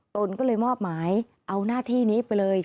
ตนก็เลยมอบหมายเอาหน้าที่นี้ไปเลย